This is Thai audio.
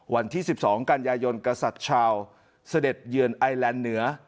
วันที่๑๒กันยายนกษัตริย์ชาวเสด็จเยือนไอแลนด์เหนือ